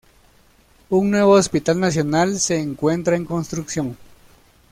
Un Nuevo Hospital Nacional se encuentra en construcción.